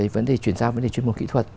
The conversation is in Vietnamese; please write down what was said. vấn đề chuyển sang vấn đề chuyên môn kỹ thuật